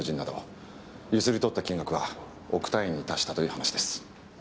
強請り取った金額は億単位に達したという話です。